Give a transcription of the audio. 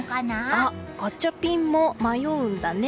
あっ、ガチャピンも迷うんだね。